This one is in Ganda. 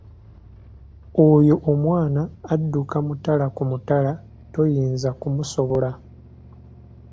Oyo omwana adduka mutala ku mutala toyinza kumusobola.